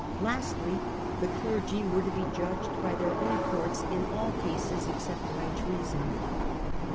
Lastly, the clergy were to be judged by their own courts in all cases except high treason.